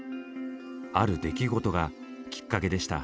ある出来事がきっかけでした。